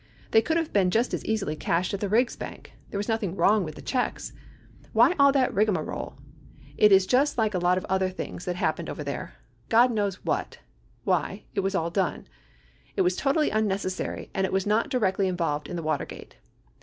They could have been just as easily cashed at the Riggs Bank. There was nothing wrong with the checks. Why all that rigmarole? It is just like a lot of other things that happened over there. God knows what [why] it was all done. It was totally unnecessary and it was not directly invol ved in the Watergate.